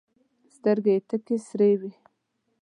سترګي یې تکي سرې وې !